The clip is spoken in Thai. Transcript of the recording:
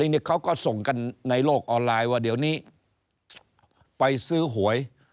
นี่เขาก็ส่งกันในโลกออนไลน์ว่าเดี๋ยวนี้ไปซื้อหวย